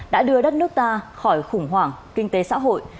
đã đưa đất nước ta khỏi khủng hoảng kinh tế xã hội